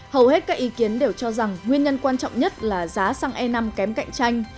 hầu hết các ý kiến đều cho rằng nguyên nhân quan trọng nhất là giá xăng e năm kém cạnh tranh